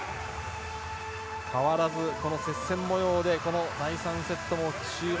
変わらず、この接戦模様で第３セットの中盤。